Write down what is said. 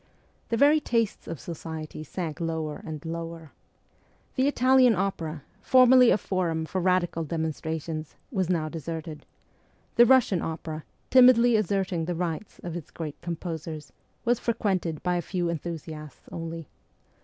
The very tastes of ' society ' sank lower and lower. The Italian Opera, formerly a forum for radical demon strations, was now deserted; the Russian Opera, timidly asserting the rights of its great composers, was frequented by a few enthusiasts only.